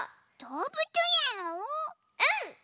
うん！